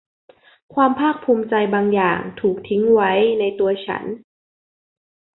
ความภาคภูมิใจบางอย่างถูกทิ้งไว้ในตัวฉัน